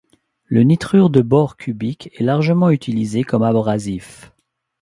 Le nitrure de bore cubique est largement utilisé comme abrasif.